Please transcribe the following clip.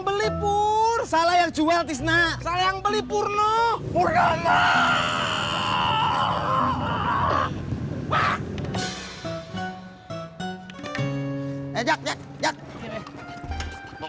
beli pur salah yang jual tisna saya yang beli purno purgayaknyak